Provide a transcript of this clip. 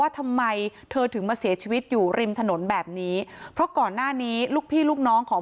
ทำไมเธอถึงมาเสียชีวิตอยู่ริมถนนแบบนี้เพราะก่อนหน้านี้ลูกพี่ลูกน้องของ